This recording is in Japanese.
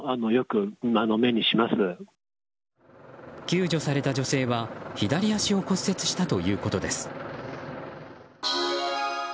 救助された女性は左足を骨折したということです。